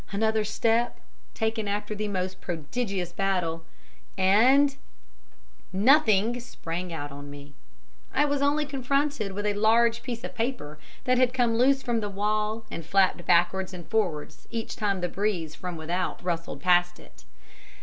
Another step taken after the most prodigious battle and NOTHING sprang out on me. I was confronted only with a large piece of paper that had come loose from the wall, and flapped backwards and forwards each time the breeze from without rustled past it.